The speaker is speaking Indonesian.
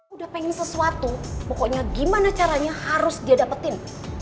udah pengen sesuatu pokoknya gimana caranya harus dia dapetin